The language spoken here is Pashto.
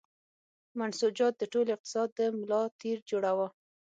منسوجات د ټول اقتصاد د ملا تیر جوړاوه.